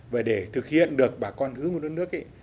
và để thực hiện được bà con hướng về quê hương đất nước